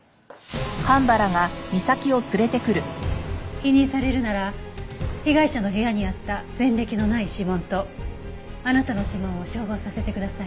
否認されるなら被害者の部屋にあった前歴のない指紋とあなたの指紋を照合させてください。